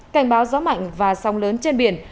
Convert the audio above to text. cảnh báo gió mạnh và sông lớn trên biển